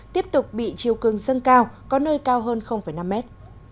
tiếp tục bị chiêu cương dâng cao có nơi cao hơn năm mét